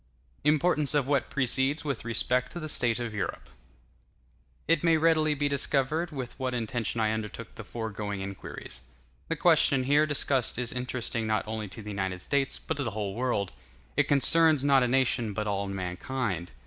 Importance Of What Precedes With Respect To The State Of Europe It may readily be discovered with what intention I undertook the foregoing inquiries. The question here discussed is interesting not only to the United States, but to the whole world; it concerns, not a nation, but all mankind.